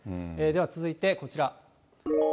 では続いてこちら。